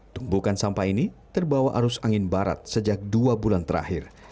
tumbukan sampah ini terbawa arus angin barat sejak dua bulan terakhir